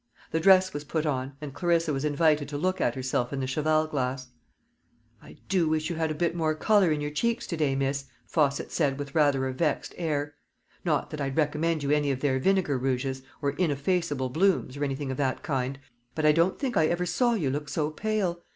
The dress was put on, and Clarissa was invited to look at herself in the cheval glass. "I do wish you had a bit more colour in your cheeks to day, miss," Fosset said, with rather a vexed air. "Not that I'd recommend you any of their vinegar rouges, or ineffaceable blooms, or anything of that kind. But I don't think I ever saw you look so pale.